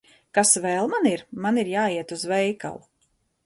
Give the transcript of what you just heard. Kas vēl man ir? Man ir jāiet uz veikalu.